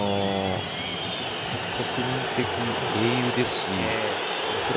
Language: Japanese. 国民的英雄ですし。